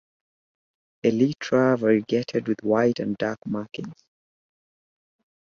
Elytra variegated with white and dark markings.